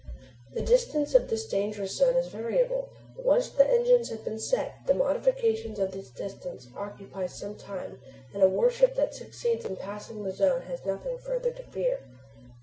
The distance of this dangerous zone is variable, but once the engines have been set, the modification of the distance occupies some time, and a warship that succeeds in passing the zone has nothing further to fear.